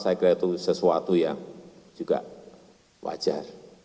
saya kira itu sesuatu yang juga wajar